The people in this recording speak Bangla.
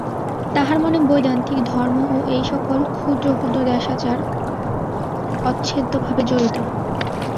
তাহার মনে বৈদান্তিক ধর্ম ও এই-সকল ক্ষুদ্র ক্ষুদ্র দেশাচার অচ্ছেদ্যভাবে জড়িত।